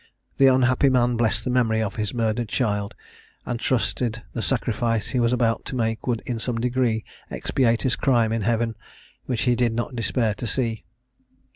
The unhappy man blessed the memory of his murdered child, and trusted the sacrifice he was about to make would, in some degree, expiate his crime in heaven, which he did not despair to see.